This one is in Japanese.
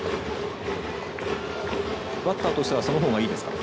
バッターとしてはそのほうがいいですか？